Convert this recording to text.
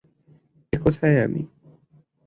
এ কোথায় আমি?